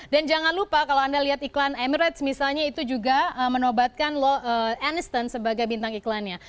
dan jangan lupa kalau anda lihat iklan emirates misalnya itu juga menobatkan aniston sebagai bintang iklannya